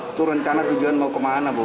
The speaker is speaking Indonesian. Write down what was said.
itu rencana tujuan mau ke mana bu